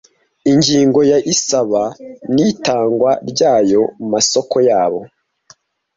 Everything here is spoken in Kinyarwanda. Ingingo ya Isaba n itangwa ryayo masoko yabo